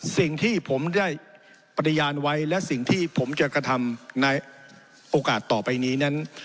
สิ่งที่ผมได้ปริญญาณไว้และสิ่งที่ผมจะกระทำในโอกาสต่อไปนี้นั้น